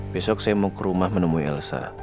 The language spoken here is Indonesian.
besok saya mau ke rumah menemui elsa